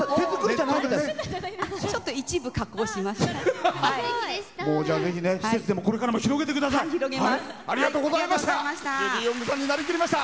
ちょっと一部を加工しました。